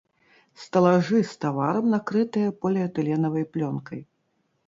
Стэлажы з таварам накрытыя поліэтыленавай плёнкай.